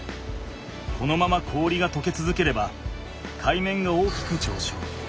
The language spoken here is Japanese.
このまま氷がとけつづければ海面が大きくじょうしょう。